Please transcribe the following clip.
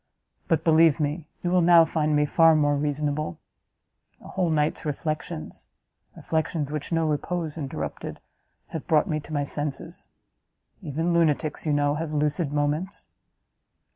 But, believe me, you will now find me far more reasonable; a whole night's reflections reflections which no repose interrupted! have brought me to my senses. Even lunatics, you know, have lucid moments!"